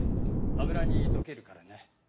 油に溶けるからね。